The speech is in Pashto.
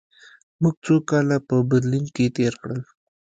موږ څو کاله په برلین کې تېر کړل